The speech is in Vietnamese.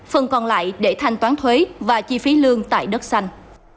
phần còn lại để thanh toán thuế và chi phí lương tại đất xanh